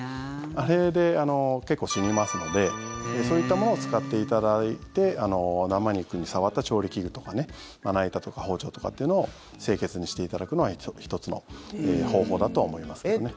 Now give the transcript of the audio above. あれで結構死にますのでそういったものを使っていただいて生肉に触った調理器具とかまな板とか包丁とかっていうのを清潔にしていただくのは１つの方法だと思いますけどね。